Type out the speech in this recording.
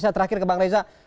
saya terakhir ke bang reza